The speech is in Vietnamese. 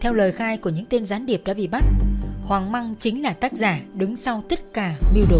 theo lời khai của những tên gián điệp đã bị bắt hoàng măng chính là tác giả đứng sau tất cả mưu đồ